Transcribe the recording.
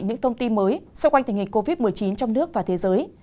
những thông tin mới xoay quanh tình hình covid một mươi chín trong nước và thế giới